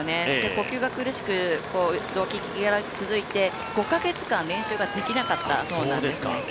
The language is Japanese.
呼吸が苦しく動悸、息切れが続いて５カ月間、練習ができなかったそうなんですね。